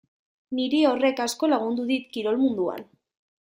Niri horrek asko lagundu dit kirol munduan.